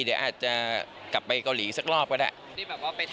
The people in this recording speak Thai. เดี๋ยวอาจจะกลับไปเกาหลีสักรอบก็ได้